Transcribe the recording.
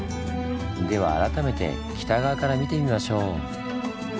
では改めて北側から見てみましょう。